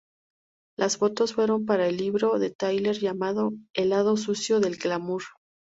Las fotos fueron para el libro de Tyler llamado "El lado sucio del glamour".